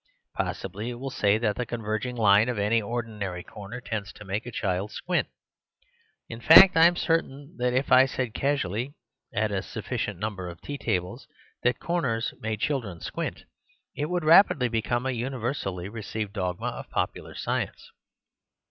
Possibly it will say that the converging line of any ordinary corner tends to make a child squint. In fact I am certain that if I said casually, at a sufficient number of tea tables, that corners made chil dren squint, it would rapidly become a uni versally received dogma of popular science.